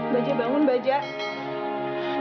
bajak bangun bajak